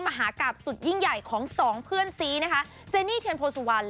มหากลรสุดยิ่งใหญ่ของสองเพื่อนซีเจนีเธียนโภสวัลด์